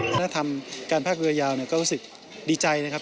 ถ้าทำการภาคเรือยาวเนี่ยก็รู้สึกดีใจนะครับ